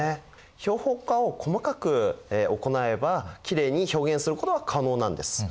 標本化を細かく行えばきれいに表現することは可能なんです。